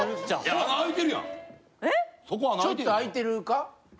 ちょっと開いてるか？